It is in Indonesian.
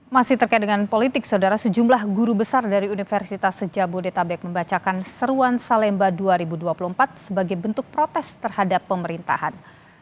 masih terkait dengan politik saudara sejumlah guru besar dari universitas sejabodetabek membacakan seruan salemba dua ribu dua puluh empat sebagai bentuk protes terhadap pemerintahan